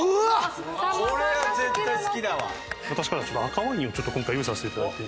私からは赤ワインを今回用意させていただいて。